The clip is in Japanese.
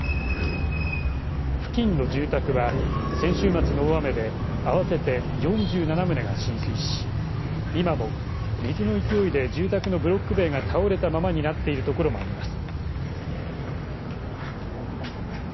付近の住宅は先週末の大雨で合わせて４７棟が浸水し今も水の勢いで住宅のブロック塀が倒れたままになっている所もあります。